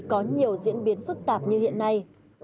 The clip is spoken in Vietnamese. có nhiều diễn biến phức tạp như hiện nay